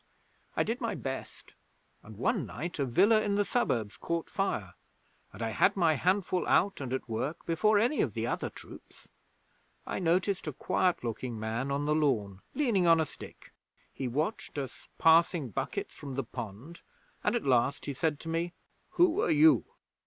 I did my best, and one night a villa in the suburbs caught fire, and I had my handful out and at work before any of the other troops. I noticed a quiet looking man on the lawn, leaning on a stick. He watched us passing buckets from the pond, and at last he said to me: "Who are you?"